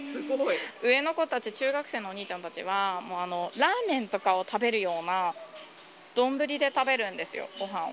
上の子たち、中学生のお兄ちゃんたちは、もうラーメンとかを食べるような丼で食べるんですよ、ごはんを。